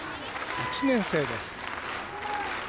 １年生ですか。